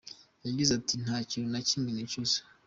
Yagize ati “Nta kintu na kimwe nicuza.